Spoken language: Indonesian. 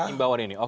imbauan ini oke